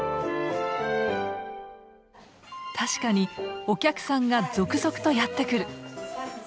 確かにお客さんが続々とやって来る。